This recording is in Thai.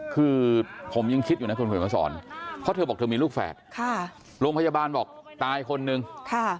คือผมยังคิดอยู่นะคุณเขียนมาสอนเพราะเธอบอกเธอมีลูกแฝดค่ะโรงพยาบาลบอกตายคนนึงค่ะ